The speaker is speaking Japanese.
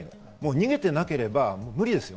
逃げてなければ無理です。